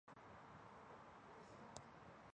罗溪镇是下辖的一个乡镇级行政单位。